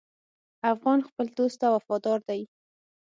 افغان خپل دوست ته وفادار دی.